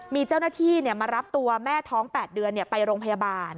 มีเจ้าหน้าที่มารับตัวแม่ท้อง๘เดือนไปโรงพยาบาล